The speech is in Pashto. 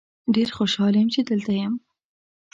ډیر خوشحال یم چې دلته یم.